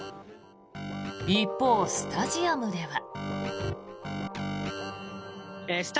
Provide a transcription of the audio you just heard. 一方、スタジアムでは。